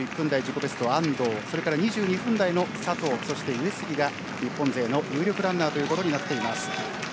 ベストは安藤２２分台の佐藤そして上杉が日本勢の有力ランナーとなっています。